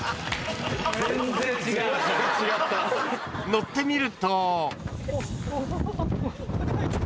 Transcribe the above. ［乗ってみると］